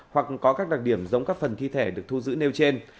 hoặc có các đặc điểm giống các phần thi thể được thu giữ nêu trên